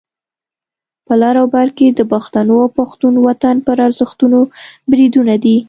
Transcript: په لر او بر کې د پښتنو او پښتون وطن پر ارزښتونو بریدونه دي.